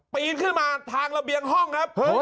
ปีนขึ้นมาทางระเบียงห้องครับ